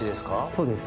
そうです。